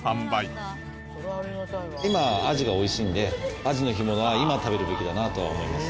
今はアジが美味しいのでアジの干物は今食べるべきだなとは思います。